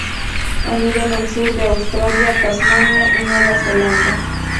Anida en el sur de Australia, Tasmania y Nueva Zelanda